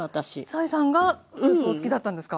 斉さんがスープを好きだったんですか？